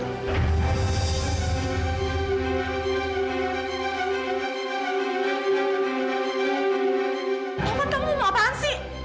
taufan kamu mau apaan sih